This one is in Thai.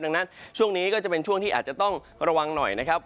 ดังนั้นช่วงนี้ก็จะเป็นช่วงที่อาจจะต้องระวังหน่อยนะครับ